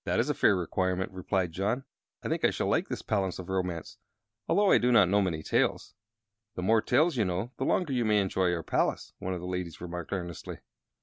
"That is a fair requirement," replied John. "I think I shall like this Palace of Romance, although I do not know many tales." "The more tales you know the longer you may enjoy our palace," one of the ladies remarked, earnestly.